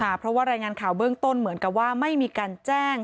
เพราะว่ารายงานข่าวเบื้องต้นเหมือนกับว่าไม่มีการแจ้ง